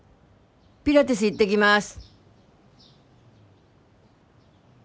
「ピラティスいってきます」